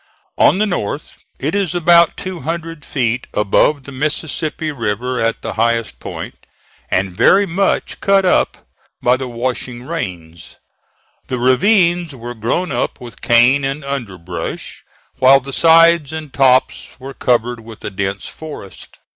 On the north it is about two hundred feet above the Mississippi River at the highest point and very much cut up by the washing rains; the ravines were grown up with cane and underbrush, while the sides and tops were covered with a dense forest.